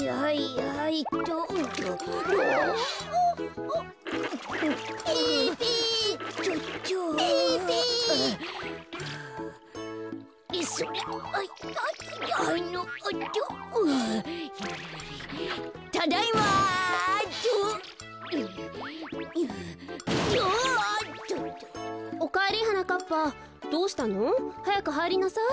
はやくはいりなさい。